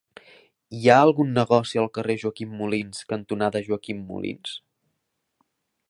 Hi ha algun negoci al carrer Joaquim Molins cantonada Joaquim Molins?